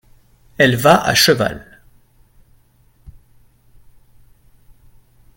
elle va à cheval.